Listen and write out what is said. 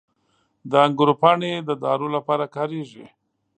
• د انګورو پاڼې د دارو لپاره کارېږي.